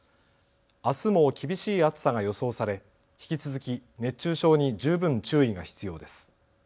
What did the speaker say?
あすも厳しい暑さが予想され引き続き熱中症に十分注意が必要です。